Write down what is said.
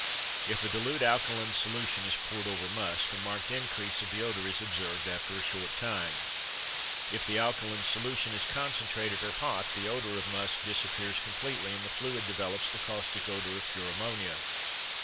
If a dilute alkaline solution is poured over musk, a marked increase of the odor is observed after a short time; if the alkaline solution is concentrated or hot, the odor of musk disappears completely and the fluid develops the caustic odor of pure ammonia.